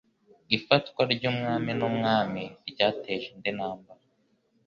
Ifatwa ry'umwami n'umwami ryateje indi ntambara